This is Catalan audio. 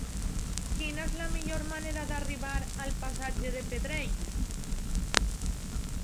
Quina és la millor manera d'arribar al passatge de Pedrell?